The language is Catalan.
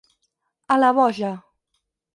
A la boja.